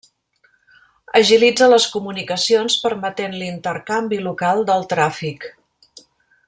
Agilitza les comunicacions permetent l'intercanvi local del tràfic.